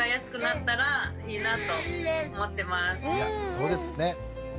そうですね。